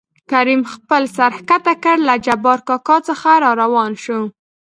کريم خپل سر ښکته کړ له جبار کاکا څخه راوان شو.